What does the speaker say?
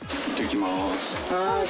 はい。